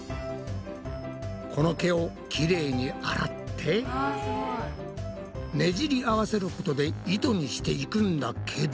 この毛をきれいに洗ってねじり合わせることで糸にしていくんだけど。